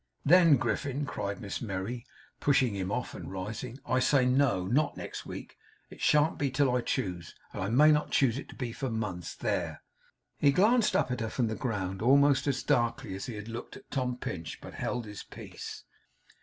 'Then, Griffin,' cried Miss Merry, pushing him off, and rising. 'I say no! not next week. It shan't be till I choose, and I may not choose it to be for months. There!' He glanced up at her from the ground, almost as darkly as he had looked at Tom Pinch; but held his peace.